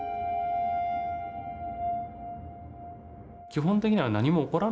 基本的には何も起こらないんですよね